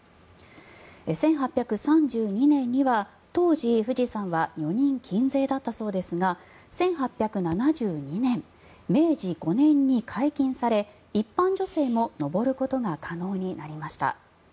１８３２年には当時、富士山は女人禁制だったそうですが１８７２年、明治５年に解禁され一般女性も登ることが可能になりました。